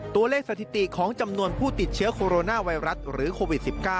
สถิติของจำนวนผู้ติดเชื้อโคโรนาไวรัสหรือโควิด๑๙